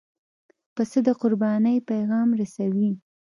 پسه د قربانۍ پیغام رسوي.